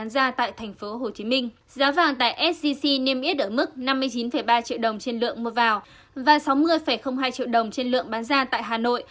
giá vàng tại sgc niêm yết ở mức năm mươi chín ba triệu đồng trên lượng mua vào và sáu mươi hai triệu đồng trên lượng bán ra tại hà nội